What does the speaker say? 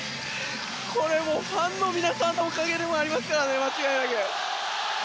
これ、ファンの皆さんのおかげでもありますからね間違いなく。